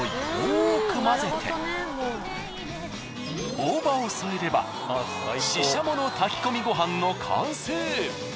大葉を添えればししゃもの炊き込みごはんの完成。